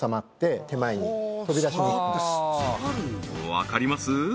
わかります？